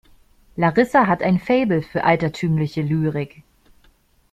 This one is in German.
Larissa hat ein Faible für altertümliche Lyrik.